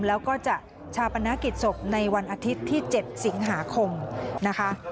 แล้วก็จะชาปนกิจศพในวันอาทิตย์ที่๗สิงหาคมนะคะ